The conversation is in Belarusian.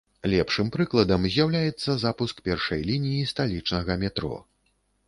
Лепшым прыкладам з'яўляецца запуск першай лініі сталічнага метро.